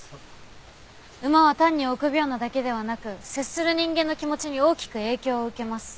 馬は単に臆病なだけではなく接する人間の気持ちに大きく影響を受けます。